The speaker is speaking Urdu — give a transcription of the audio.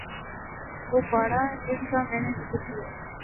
وہ باڑہ جس کا میں نے ذکر کیا ہے